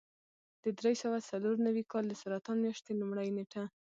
د درې سوه څلور نوي کال د سرطان میاشتې لومړۍ نېټه.